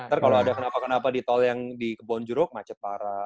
ntar kalau ada kenapa kenapa di tol yang di kebonjeruk macet parah